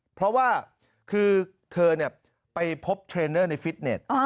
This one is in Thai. เพราะว่าคือเธอไปพบเทรนเนอร์ในฟิตเน็ต